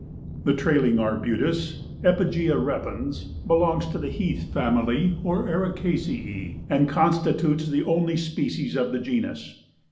The Trailing Arbutus (Epigaea repens) belongs to the Heath family or Ericaceæ and constitutes the only species of the genus.